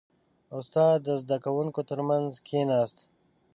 • استاد د زده کوونکو ترمنځ کښېناست.